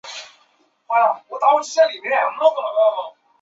设有栅栏式月台幕门。